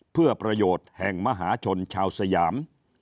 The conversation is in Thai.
เพื่อประโยชน์แห่งมหาชนชาวสยาม